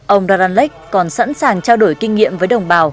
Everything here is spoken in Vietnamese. ông ra lan lech còn sẵn sàng trao đổi kinh nghiệm với đồng bào